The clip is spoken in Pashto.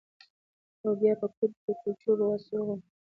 او بیا په کور کې د کلچو او بوسراغو خلطې پرانیستې